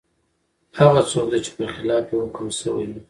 هغه څوک دی چي پر خلاف یې حکم سوی وي ؟